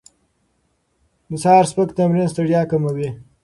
د سهار سپک تمرین ستړیا کموي.